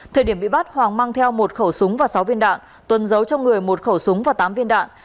thời điểm bị bắt hoàng mang theo một khẩu súng và sáu viên đạn tuân giấu trong người một khẩu súng và tám viên đạn